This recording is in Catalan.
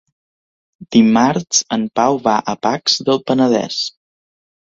Dimarts en Pau va a Pacs del Penedès.